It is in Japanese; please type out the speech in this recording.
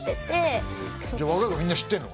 若い子みんな知ってんの？